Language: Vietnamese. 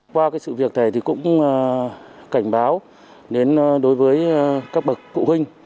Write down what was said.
qua cái sự việc này thì cũng cảnh báo đến đối với các bậc cụ huynh